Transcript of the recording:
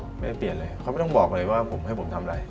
ไม่ได้เปลี่ยนเลยเขาไม่ต้องบอกเลยว่าผมให้ผมทำอะไร